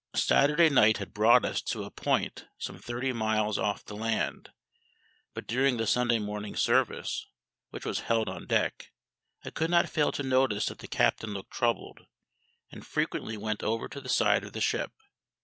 Saturday night had brought us to a point some thirty miles off the land; but during the Sunday morning service, which was held on deck, I could not fail to notice that the captain looked troubled, and frequently went over to the side of the ship.